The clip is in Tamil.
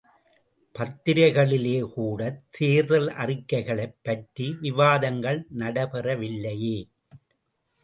பத்திரிகைகளிலே கூடத் தேர்தல் அறிக்கைகளைப் பற்றி விவாதங்கள் நடை பெறவில்லையே!